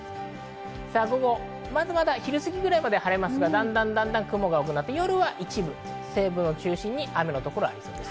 午後は昼すぎまでは晴れますがだんだん雲が多くなって夜は一部、西部を中心に雨のところがありそうです。